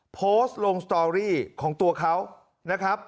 โพสต์ลงสตอรี่ของตัวเขา